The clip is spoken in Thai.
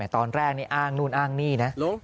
ตอนแรกนี่อ้างนู่นอ้างนี่นะ